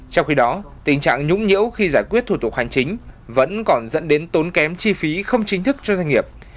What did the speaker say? trong khi đó tình trạng nhũng nhiễu khi giải quyết thủ tục hành chính vẫn còn dẫn đến tốn kém chi phí không chính thức cho doanh nghiệp